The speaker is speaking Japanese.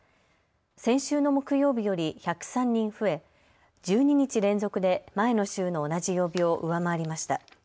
先週の木曜日より１０３人増え１２日連続で前の週の同じ曜日を上回りました。